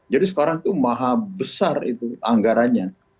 jadi sekarang itu maha besar itu anggarannya